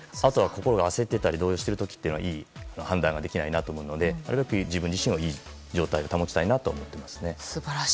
あと、心が焦っていたり動揺している時はいい判断ができないと思うのでなるべくいい状態を保ちたいと思います。